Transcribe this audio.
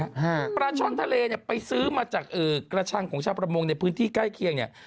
ฮะปลาช่อนทะเลเนี้ยไปซื้อมาจากเอ่อกระชังของชาวประมงในพื้นที่ใกล้เคียงเนี้ย